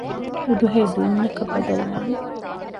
އުދުހޭ ދޫންޏަކަށް ބަދަލުވާނެ